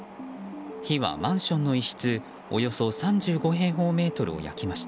火は、マンションの一室およそ３５平方メートルを焼きました。